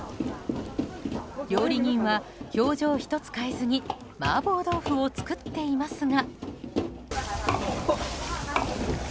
料理人は表情ひとつ変えずに麻婆豆腐を作っていますが。